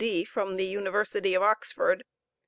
D. from the University of Oxford.